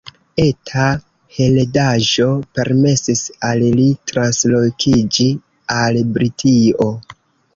Eta heredaĵo permesis al li translokiĝi al Britio.